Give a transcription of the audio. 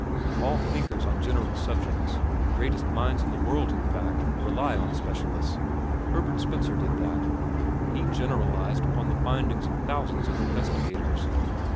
"All thinkers on general subjects, the greatest minds in the world, in fact, rely on the specialists. Herbert Spencer did that. He generalized upon the findings of thousands of investigators.